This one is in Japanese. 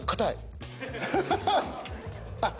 あっ。